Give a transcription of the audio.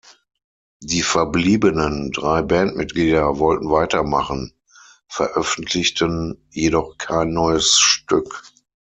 Die verbliebenen drei Bandmitglieder wollten weitermachen, veröffentlichten jedoch kein neues Stück.